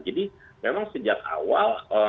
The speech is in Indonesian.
jadi memang sejak awal